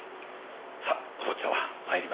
さあお坊ちゃま参りましょう。